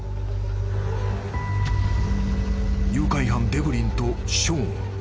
［誘拐犯デブリンとショーン］